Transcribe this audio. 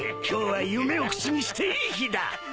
今日は夢を口にしていい日だ。